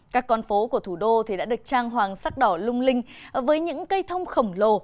các con phố của thủ đô đã được trang hoàng sắc đỏ lung linh với những cây thông khổng lồ